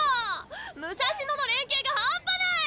武蔵野の連係が半端ない！